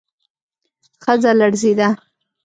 ښځه لړزېده.